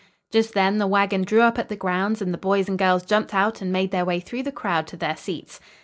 Just then the wagon drew up at the grounds and the boys and girls jumped out and made their way through the crowd to their seats.